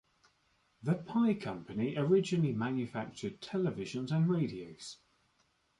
The Pye Company originally manufactured televisions and radios.